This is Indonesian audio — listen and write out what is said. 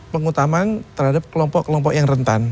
pengutaman terhadap kelompok kelompok yang rentan